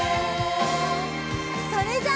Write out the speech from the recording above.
それじゃあ。